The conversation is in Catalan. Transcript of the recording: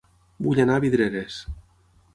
Vull anar a Vidreres